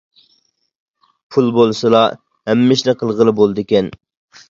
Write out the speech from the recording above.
پۇل بولسىلا ھەممە ئىشنى قىلغىلى بولىدىكەن.